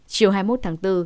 chiều hai mươi một tháng bốn